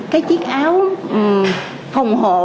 cái chiếc áo phòng hộ